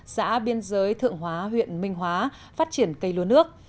xã biên giới thượng hóa huyện minh hóa phát triển cây lúa nước